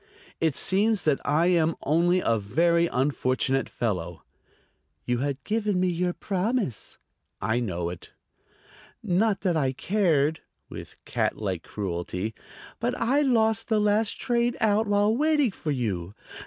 "It seems that I am only a very unfortunate fellow." "You had given me your promise." "I know it." "Not that I cared," with cat like cruelty; "but I lost the last train out while waiting for you.